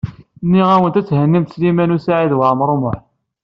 Nniɣ-awent ad thennimt Sliman U Saɛid Waɛmaṛ U Muḥ.